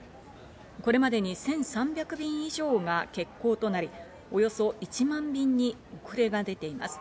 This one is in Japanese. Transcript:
これまでに１３００便以上が欠航となり、およそ１万便に遅れが出ています。